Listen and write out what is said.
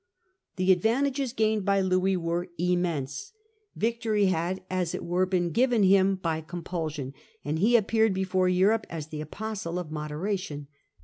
The advantages gained by Louis were immense. Victory had, as it were, been given him by compulsion, Advantages anc * a PP eare d before Europe as the apostle gained by 6 * of moderation.